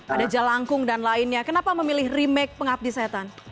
ada jalankung dan lainnya kenapa memilih remake pengabdi setan